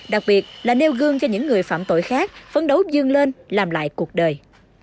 đặc biệt là nêu gương cho những người phạm tội khác phấn đấu dương lên làm lại cuộc đời